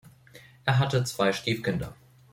Er hatte zwei Stiefkinder.